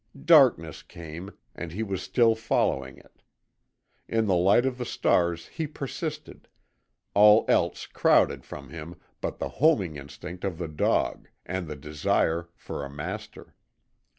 Darkness came, and he was still following it. In the light of the stars he persisted, all else crowded from him but the homing instinct of the dog and the desire for a master.